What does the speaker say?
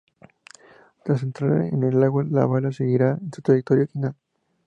Tras entrar en el agua, la bala seguirá su trayectoria original.